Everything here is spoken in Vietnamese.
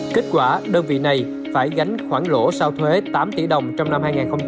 kết quả đơn vị này phải gánh khoản lỗ sau thuế tám tỷ đồng trong năm hai nghìn hai mươi